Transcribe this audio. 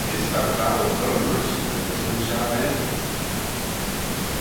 Kys t'ou prowal currym mainshtyryn gys nyn sharvaantyn?